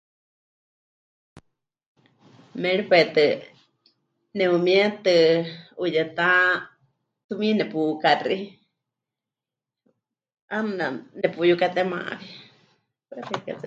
Méripai tɨ ne'umietɨ huyetá tumiini nepukaxéi, 'aana nepuyukatémawi, paɨ xeikɨ́a tsɨ.